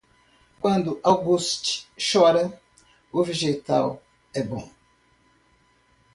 Quando August chora, o vegetal é bom.